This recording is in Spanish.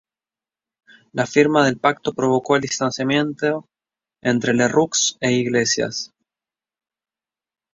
La firma del pacto provocó el distanciamiento entre Lerroux e Iglesias.